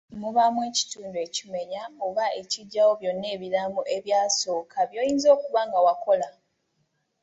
Mubaamu ekitundu ekimenya oba ekiggyawo byonna ebiraamo ebyasooka by'oyinza okuba nga wakola.